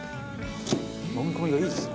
のみ込みがいいですね。